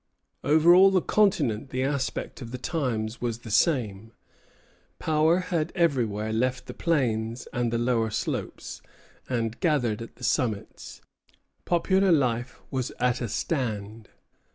Over all the Continent the aspect of the times was the same. Power had everywhere left the plains and the lower slopes, and gathered at the summits. Popular life was at a stand.